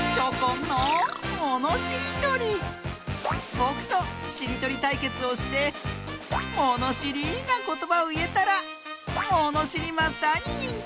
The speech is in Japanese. ぼくとしりとりたいけつをしてものしりなことばをいえたらものしりマスターににんてい！